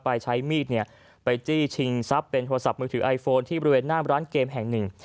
ใช้มีดเนี่ยไปจี้ชิงทรัพย์เป็นโทรศัพท์มือถือไอโฟนที่บริเวณหน้าร้านเกมแห่งหนึ่ง